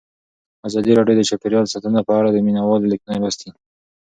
ازادي راډیو د چاپیریال ساتنه په اړه د مینه والو لیکونه لوستي.